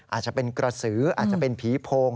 อาจจะเป็นกระสืออาจจะเป็นผีโพง